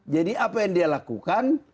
jadi apa yang dia lakukan